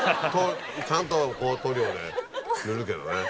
ちゃんとこう塗料で塗るけどね。